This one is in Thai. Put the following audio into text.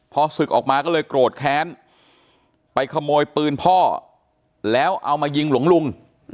พอศึกออกมาก็เลยโกรธแค้นไปขโมยปืนพ่อแล้วเอามายิงหลวงลุง